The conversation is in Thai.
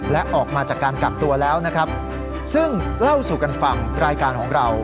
และออกมาจากการกักตัวแล้วนะครับซึ่งเล่าสู่กันฟังรายการของเรา